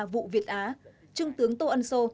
vụ việt á trung tướng tô ân sô